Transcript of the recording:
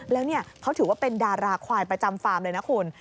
แล้วเขาถือว่าเป็นดาราควายประจำฟาร์มเลยนะคุณ